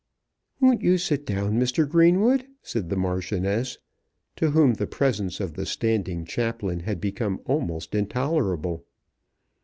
"Won't you sit down, Mr. Greenwood?" said the Marchioness, to whom the presence of the standing chaplain had become almost intolerable.